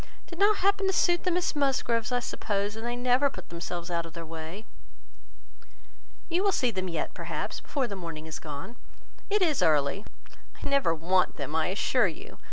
It did not happen to suit the Miss Musgroves, I suppose, and they never put themselves out of their way." "You will see them yet, perhaps, before the morning is gone. It is early." "I never want them, I assure you.